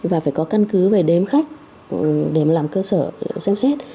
và phải có căn cứ về đếm khách để làm cơ sở xem xét